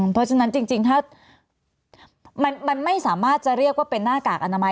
เพราะฉะนั้นจริงถ้ามันไม่สามารถจะเรียกว่าเป็นหน้ากากอนามัย